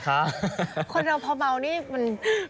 คนเราพอเบานี่มันไม่ไหวจริงเนาะ